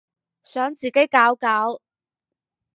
想自己搞搞